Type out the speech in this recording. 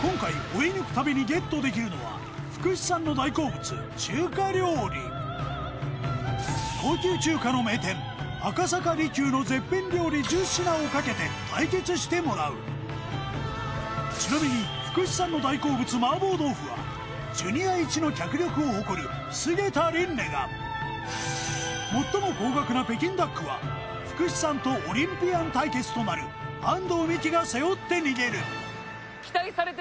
追い抜くたびにゲットできるのは福士さんの大好物中華料理高級中華の名店赤坂璃宮の絶品料理１０品をかけて対決してもらうちなみに福士さんの大好物マーボー豆腐はＪｒ．イチの脚力を誇る菅田琳寧が最も高額な北京ダックは福士さんとオリンピアン対決となる安藤美姫が背負って逃げる